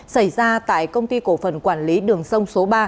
xảy ra tại công ty cổ phần quản lý đường sông số ba